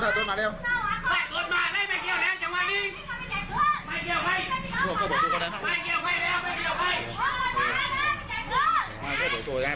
บุตัดสู่ไอ้ความเดินทดทาง